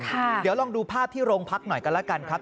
เดี๋ยวลองดูภาพที่โรงพักหน่อยกันแล้วกันครับ